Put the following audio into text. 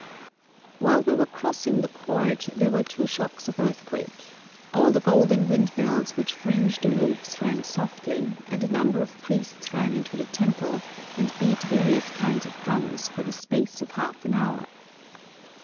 While we were crossing the court there were two shocks of earthquake; all the golden wind bells which fringe the roofs rang softly, and a number of priests ran into the temple and beat various kinds of drums for the space of half an hour.